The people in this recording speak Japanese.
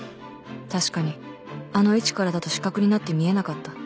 確かにあの位置からだと死角になって見えなかった